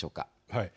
はい。